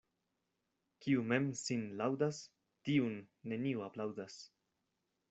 Kiu mem sin laŭdas, tiun neniu aplaŭdas.